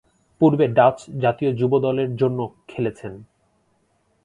পূর্বে ডাচ জাতীয় যুব দলের জন্য খেলেছেন।